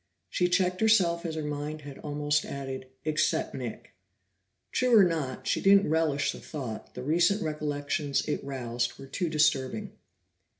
She checked herself as her mind had almost added, "Except Nick." True or not, she didn't relish the thought; the recent recollections it roused were too disturbing.